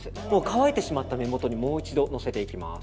乾いてしまった目元にもう一度のせていきます。